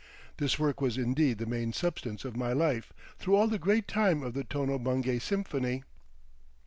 This work was indeed the main substance of my life through all the great time of the Tono Bungay symphony.